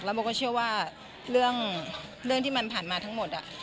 โบก็เชื่อว่าเรื่องที่มันผ่านมาทั้งหมด